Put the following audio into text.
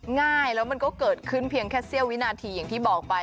ง่ายแล้วมันก็เกิดขึ้นเพียงแค่เสี้ยววินาทีอย่างที่บอกไป